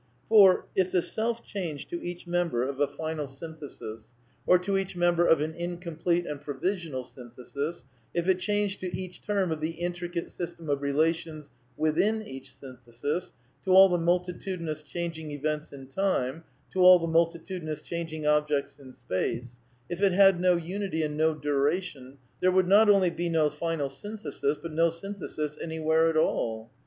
For, if the self changed to each member of a final syn \ VITALISM 65 thesis, or to each member of an incomplete and provisional synthesis, if it changed to each term of the intricate system of relations within each synthesis — to all the multitudi nous changing events in time, to all the multitudinous changing objects in space — if it had no unity and no dura tion, there would not only be no final synthesis, but no synthesis anywhere at all.